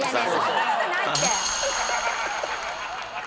そんな事ないって！